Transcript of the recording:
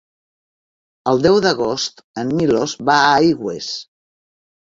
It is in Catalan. El deu d'agost en Milos va a Aigües.